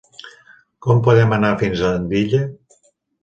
Com podem anar fins a Andilla?